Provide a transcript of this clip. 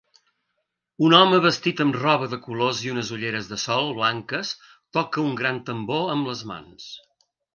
Un home vestit amb roba de colors i unes ulleres de sol blanques toca un gran tambor amb les mans.